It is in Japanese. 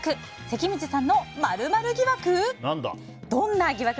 関水さんの○○疑惑？